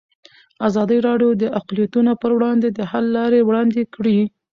ازادي راډیو د اقلیتونه پر وړاندې د حل لارې وړاندې کړي.